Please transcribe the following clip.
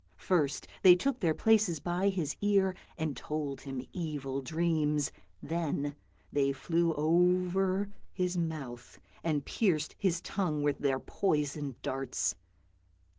First they took their places by his ear, and told him evil dreams; then they flew over his mouth and pierced his tongue with their poisoned darts.